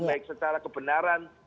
baik secara kebenaran